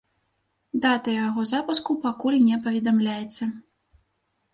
Дата яго запуску пакуль не паведамляецца.